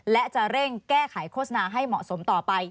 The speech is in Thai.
และจะเร่งแก้ไขโฆษณาให้เหมาะสมต่อไป